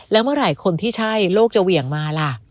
แล้วเมื่อไหร่คนที่ใช่โลกจะเหวี่ยงมาล่ะ